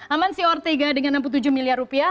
amansi ortega dengan enam puluh tujuh miliar rupiah